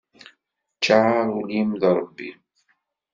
Ččar ul-im d Rebbi.